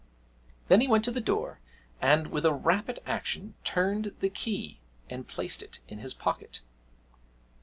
Then he went to the door and, with a rapid action, turned the key and placed it in his pocket.